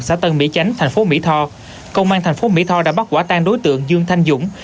xã tân mỹ chánh thành phố mỹ tho công an thành phố mỹ tho đã bắt quả tan đối tượng dương thanh dũng